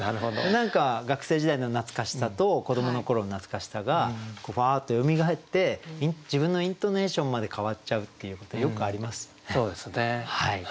何か学生時代の懐かしさと子どもの頃の懐かしさがふわっとよみがえって自分のイントネーションまで変わっちゃうっていうことよくありますよね。